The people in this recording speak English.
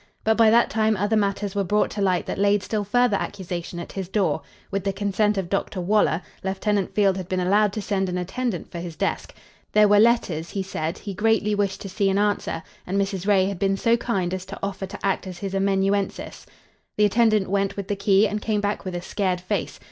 But by that time other matters were brought to light that laid still further accusation at his door. With the consent of Dr. Waller, Lieutenant Field had been allowed to send an attendant for his desk. There were letters, he said, he greatly wished to see and answer, and Mrs. Ray had been so kind as to offer to act as his amanuensis. The attendant went with the key and came back with a scared face.